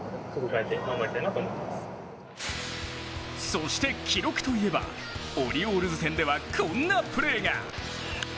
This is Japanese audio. そして記録といえばオリオールズ戦ではこんなプレーが。